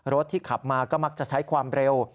รถที่ขับมาก็มักจะใช้ความเร็ว